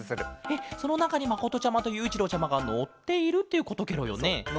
えっそのなかにまことちゃまとゆういちろうちゃまがのっているっていうことケロよね？